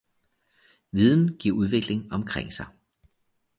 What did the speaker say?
Viden giver udvikling omkring sig.